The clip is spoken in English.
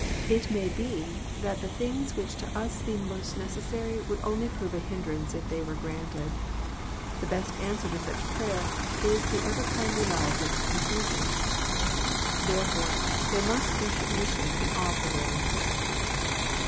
It may be that the things which to us seem most necessary would only prove a hindrance if they were granted. The best answer to such prayer is ever the kindly love which refuses. Therefore there must be submission in all pre vailing prayer.